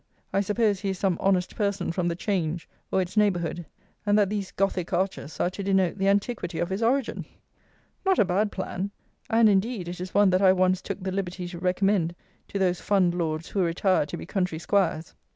I suppose he is some honest person from the 'Change or its neighbourhood; and that these gothic arches are to denote the antiquity of his origin! Not a bad plan; and, indeed, it is one that I once took the liberty to recommend to those Fundlords who retire to be country 'squires.